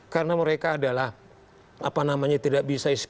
karena mereka adalah apa namanya tidak bisa sp tiga